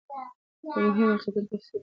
د مهمو واقعیتونو تفصیل باید وسي.